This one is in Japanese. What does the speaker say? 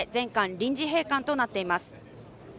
臨時閉館となっています。